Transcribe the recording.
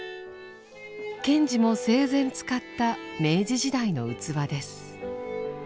賢治も生前使った明治時代の器です。